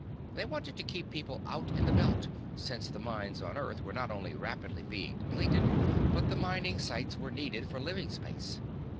They wanted to keep people out in the Belt, since the mines on Earth were not only rapidly being depleted, but the mining sites were needed for living space.